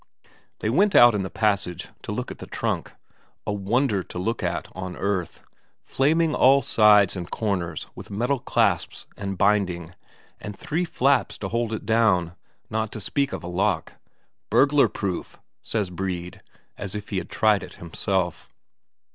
They went out in the passage to look at the trunk. A wonder to look at on earth, flaming all sides and corners with metal and clasps and binding, and three flaps to hold it down, not to speak of a lock. "Burglar proof," says Brede, as if he had tried it himself.